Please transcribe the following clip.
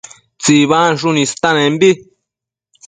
tsibansshun istanembi